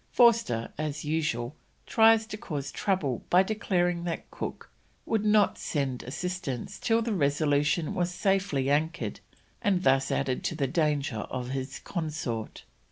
Forster, as usual, tries to cause trouble by declaring that Cook would not send assistance till the Resolution was safely anchored, and thus added to the danger of his consort.